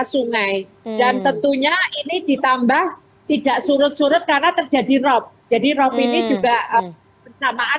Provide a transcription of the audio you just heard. sungai dan tentunya ini ditambah tidak surut surut karena terjadi rob jadi rob ini juga bersamaan